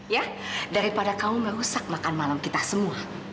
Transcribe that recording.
ya daripada kamu merusak makan malam kita semua